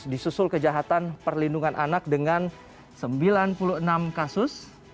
disusul kejahatan perlindungan anak dengan sembilan puluh enam kasus